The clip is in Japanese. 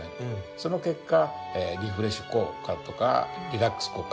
その結果リフレッシュ効果とかリラックス効果。